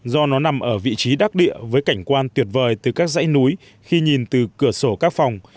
do nó nằm ở vị trí đắc địa với cảnh quan tuyệt vời từ các dãy núi khi nhìn từ cửa sổ các phòng